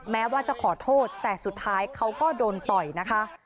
แม้ว่าจะขอโทษแต่สุดท้ายเขาก็โดนต่อยนะคะ